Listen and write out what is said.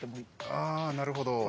あなるほど。